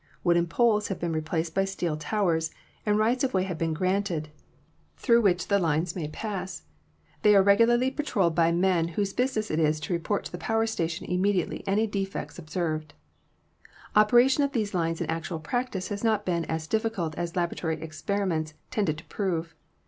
Wooden poles have been replaced by steel towers, and rights of way have been granted through which the lines POWER TRANSMISSION 213 may pass. They are regularly patrolled by men whose business it is to report to the power station immediately any defects observed. Operation of these lines in actual practice has not been as difficult as laboratory experiments tended to prove.